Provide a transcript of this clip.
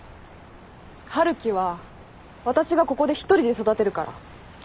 春樹は私がここで１人で育てるから。